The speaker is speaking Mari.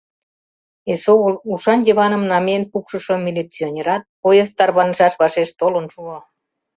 Эсогыл ушан Йываным намиен пукшышо милиционерат поезд тарванышаш вашеш толын шуо.